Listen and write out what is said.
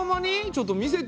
ちょっと見せてよ。